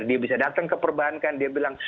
dia bisa datang ke perbankan dia bilang